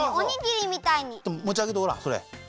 もちあげてごらんそれ。